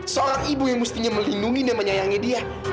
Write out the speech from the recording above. seorang ibu yang mestinya melindungi dan menyayangi dia